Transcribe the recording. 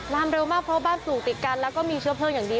เร็วมากเพราะบ้านปลูกติดกันแล้วก็มีเชื้อเพลิงอย่างดี